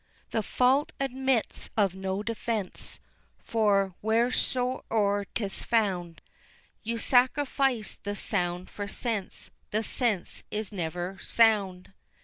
The fault admits of no defence, for wheresoe'er 'tis found, You sacrifice the sound for sense; the sense is never sound.